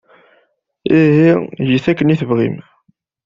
Ihi get akken ay tebɣam.